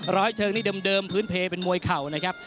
ร้อยเชิงนี่เดิมพื้นเพลเป็นมวยเข่านะครับ